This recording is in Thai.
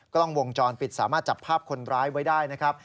กล้องวงจรปิดสามารถจับภาพคนร้ายไว้ได้นะครับ